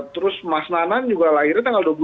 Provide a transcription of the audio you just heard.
terus mas nanan juga lahirnya tanggal dua puluh dua